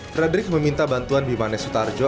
fredrik meminta bantuan bimane sutarjo